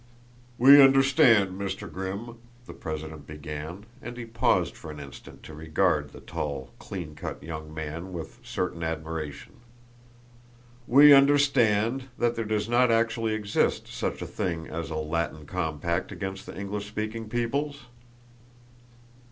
"We understand, Mr. Grimm," the president began, and he paused for an instant to regard the tall, clean cut young man with a certain admiration, "we understand that there does not actually exist such a thing as a Latin compact against the English speaking peoples?"